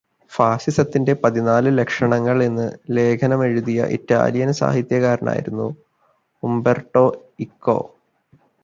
ഫാസിസത്തിന്റെ പതിനാല് ലക്ഷണങ്ങൾ എന്ന ലേഖനമെഴുതിയ ഇറ്റാലിയൻ സാഹിത്യകാരനായിരുന്ന ഉംബെർടോ ഇക്കോ